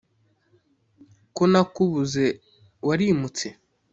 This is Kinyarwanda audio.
Ko nakubuze warimutse